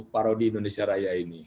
parodi indonesia raya ini